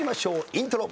イントロ。